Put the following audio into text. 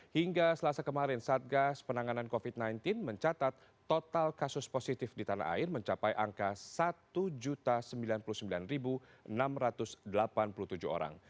hingga selasa kemarin satgas penanganan covid sembilan belas mencatat total kasus positif di tanah air mencapai angka satu sembilan puluh sembilan enam ratus delapan puluh tujuh orang